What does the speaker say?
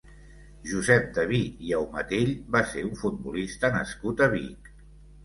Josep Daví i Aumatell va ser un futbolista nascut a Vic.